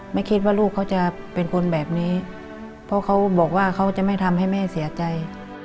ไม่คิดว่าลูกเขาจะเป็นคนแบบนี้เพราะเขาบอกว่าเขาจะไม่ทำให้แม่เสียใจ